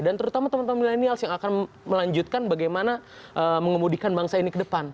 dan terutama teman teman milenial yang akan melanjutkan bagaimana mengemudikan bangsa ini ke depan